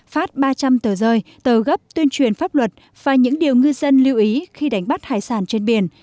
phát ba trăm linh tờ rơi tờ gấp tuyên truyền pháp luật và những điều ngư dân lưu ý khi đánh bắt hải sản trên biển